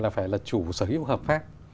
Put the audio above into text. phải là chủ sở hữu hợp pháp